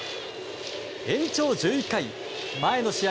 延長１１回、前の試合